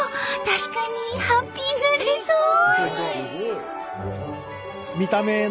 確かにハッピーになれそう！